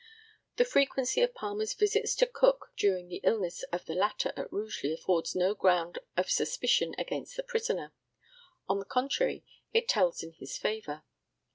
The frequency of Palmer's visits to Cook during the illness of the latter at Rugeley affords no ground of suspicion against the prisoner. On the contrary, it tells in his favour.